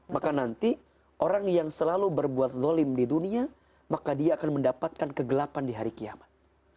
maka nanti orang yang selalu berbuat dolim di dunia maka dia akan mendapatkan kegelapan di hari kiamat